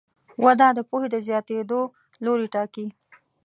وده د پوهې د زیاتېدو لوری ټاکي.